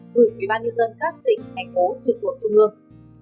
gửi quỹ ban nhân dân các tỉnh thành phố trực quốc trung ương